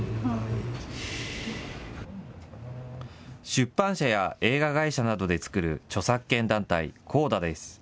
出版社や映画会社などで作る著作権団体、ＣＯＤＡです。